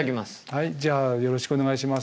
はいじゃあよろしくお願いします